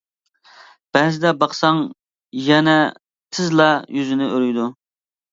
بەزىدە باقساڭ، يەنە تېزلا يۈزىنى ئۆرۈيدۇ.